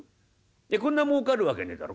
「いやこんなもうかる訳ねえだろ